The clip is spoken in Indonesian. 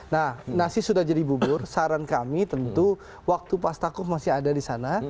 nah nasi sudah jadi bubur saran kami tentu waktu pak stako masih ada di sana